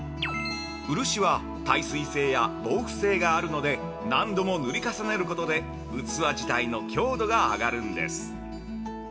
漆は、耐水性や防腐性があるので何度も塗り重ねることで器自体の強度が上がるんです。